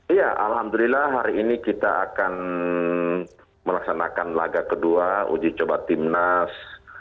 iya alhamdulillah hari ini kita akan melaksanakan laga kedua uji coba timnas